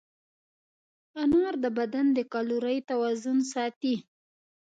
انار د بدن د کالورۍ توازن ساتي.